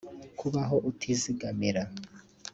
Kubaho utizigamira